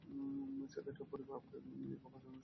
ছেলেটার পরিবার আমাদের মেয়েকে অপহরণ করার সর্তক করে গেছে।